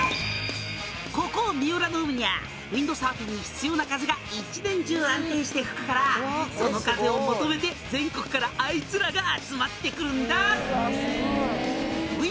「ここ三浦の海にゃあウインドサーフィンに必要な風が一年中安定して吹くからその風を求めて全国からあいつらが集まって来るんだ」